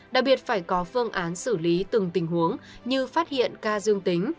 đặc biệt phải có phương án xử lý từng tình huống như phát hiện ca dương tính